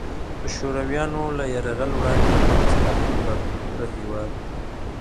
د شورویانو له یرغل وړاندې افغانستان هم باکلتوره هیواد وو.